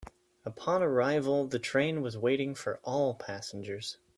Upon arrival, the train was waiting for all passengers.